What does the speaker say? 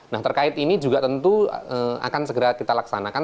nah terkait ini juga tentu akan segera kita laksanakan